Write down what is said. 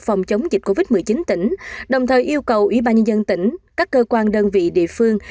phòng chống dịch covid một mươi chín tỉnh đồng thời yêu cầu ủy ban nhân dân tỉnh các cơ quan đơn vị địa phương